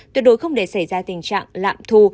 tuyệt đối không để xảy ra tình trạng lạm thu